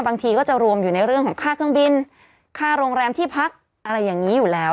บางทีก็จะรวมอยู่ในเรื่องของค่าเครื่องบินค่าโรงแรมที่พักอะไรอย่างนี้อยู่แล้ว